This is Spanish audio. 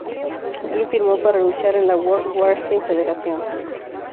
Jim firmó para luchar en la World Wrestling Federation.